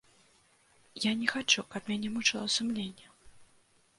Я не хачу, каб мяне мучыла сумленне.